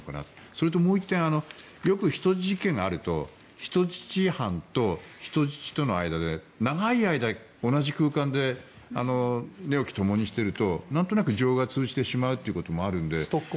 それともう１点よく人質事件があると人質犯と人質との間で長い間同じ空間で寝起きをともにしているとなんとなく情が通じてしまうこともあるというので。